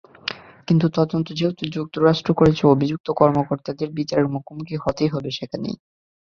কিন্তু তদন্ত যেহেতু যুক্তরাষ্ট্র করছে, অভিযুক্ত কর্মকর্তাদের বিচারের মুখোমুখি হতে হবে সেখানেই।